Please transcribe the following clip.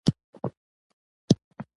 اوبه!